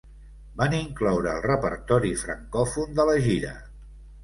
Van incloure el repertori francòfon de la gira.